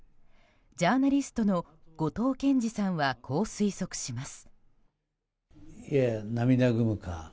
ジャーナリストの後藤謙次さんはこう推測します。